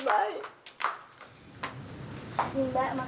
terima kasih mbak